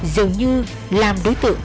dường như làm đối tượng